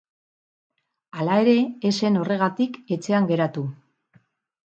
Hala ere, ez zen horregatik etxean geratu.